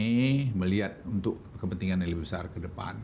kami melihat untuk kepentingan yang lebih besar ke depan